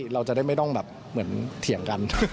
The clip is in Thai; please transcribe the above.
เราจะได้ไม่ต้องแบบเหมือนเถียงกัน